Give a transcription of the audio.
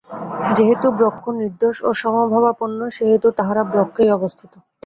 যেহেতু ব্রহ্ম নির্দোষ ও সমভাবাপন্ন, সেই হেতু তাঁহারা ব্রহ্মেই অবস্থিত।